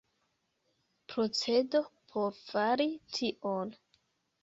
Procedo por fari tion.